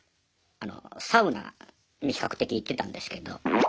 サウナに比較的行ってたんですけど。